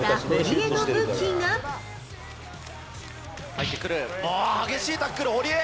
入ってくる、激しいタックル、堀江。